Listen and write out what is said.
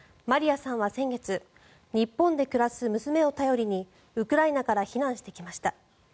マリアさんは先月日本で暮らす娘を頼りにウクライナから避難してきました。